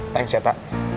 thanks ya tak